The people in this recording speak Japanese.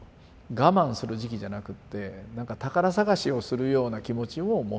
我慢する時期じゃなくってなんか宝探しをするような気持ちを持とう一方でっていう。